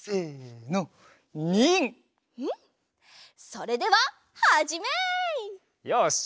それでははじめい！よし！